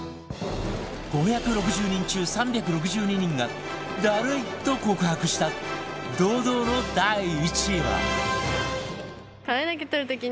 ５６０人中３６２人がダルいと告白した堂々の第１位は